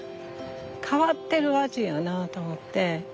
変わってる味やなと思って。